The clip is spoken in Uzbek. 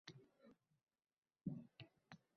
Qo’li qadoq